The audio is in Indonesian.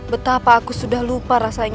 betapa aku sudah lupa rasanya